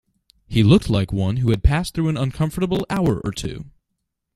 He looked like one who had passed through an uncomfortable hour or two.